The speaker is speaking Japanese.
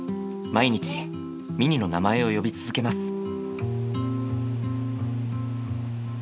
毎日ミニの名前を呼び続けます。